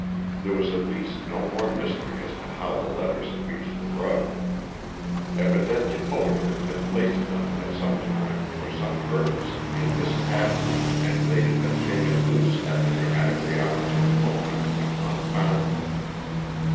There was at least no more mystery as to how the letters had reached the rug. Evidently Fullerton had placed them, at some time, for some purpose, in this cabinet, and they had been shaken loose at the dramatically opportune moment when Hunt found them.